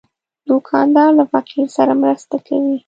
دوکاندار له فقیر سره مرسته کوي.